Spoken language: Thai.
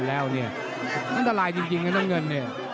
อันตรายจริงนะน้ำเงินเนี่ย